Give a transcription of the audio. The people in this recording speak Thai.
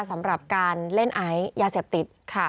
สำหรับการเล่นไอซ์ยาเสพติดค่ะ